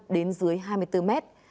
đến dưới hai mươi bốn mét